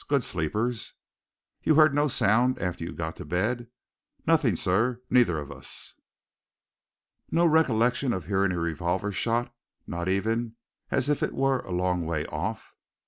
Good sleepers." "You heard no sound after you got to bed?" "Nothing, sir neither of us." "No recollection of hearing a revolver shot? not even as if it were a long way off?"